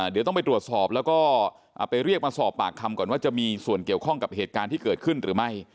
เดี๋ยวต้องไปตรวจสอบแล้วก็ไปเรียกมาสอบปากคำก่อนว่าจะมีส่วนเกี่ยวข้องกับเหตุการณ์ที่เกิดขึ้นหรือไม่